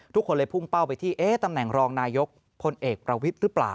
ทุกคนเลยพุ่งเป้าไปที่ตำแหน่งรองนายกพลเอกประวิทย์หรือเปล่า